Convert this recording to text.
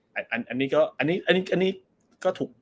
อันนี้ก็อันนี้ก็ถูก